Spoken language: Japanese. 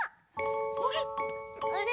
あれ？